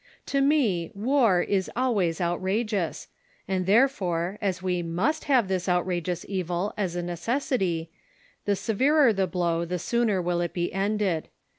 To me war is always "outrageous," and therefore as we must liave this outrageous evil as a necessity, the severer the blow the sooner will it be ended.